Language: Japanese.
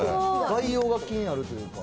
概要が気になるというか。